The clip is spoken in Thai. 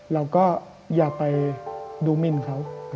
เราก็อย่าไปดูมินเขา